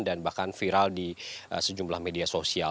dan bahkan viral di sejumlah media